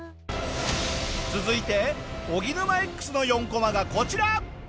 続いておぎぬまＸの４コマがこちら！